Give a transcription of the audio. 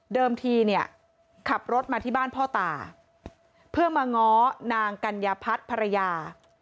ทีเนี่ยขับรถมาที่บ้านพ่อตาเพื่อมาง้อนางกัญญาพัฒน์ภรรยา